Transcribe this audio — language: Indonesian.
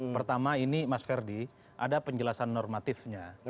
pertama ini mas ferdi ada penjelasan normatifnya